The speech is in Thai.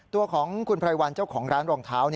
ตัวของคุณไพรวัลเจ้าของร้านรองเท้า